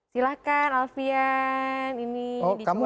silahkan alfian ini dicuain dulu